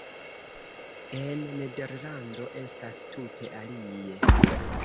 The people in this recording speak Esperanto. En Nederlando estas tute alie.